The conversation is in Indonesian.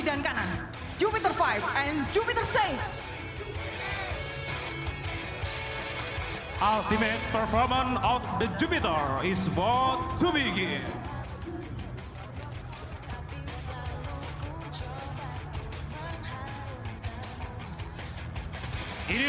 dan kemampuan tersebut